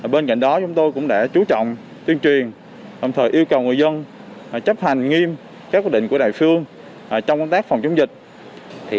bên cạnh đó chúng tôi cũng đã chú trọng tuyên truyền đồng thời yêu cầu người dân chấp hành nghiêm các quyết định của đài phương trong công tác phòng chống dịch